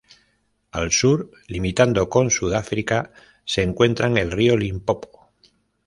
Al sur limitando con Sudáfrica se encuentran el río Limpopo.